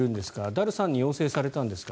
ダルさんに要請されたんですか？